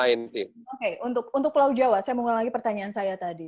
oke untuk pulau jawa saya mengulangi pertanyaan saya tadi